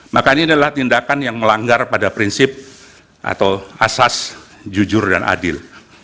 makanya adalah tindakan yang melanggar pada prinsip atau asas jujur dan adil